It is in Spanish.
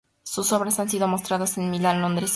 Sus obras han sido mostradas en Milán, Londres y Santiago.